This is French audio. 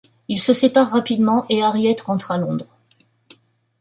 Ils se séparent rapidement, et Harriet rentre à Londres.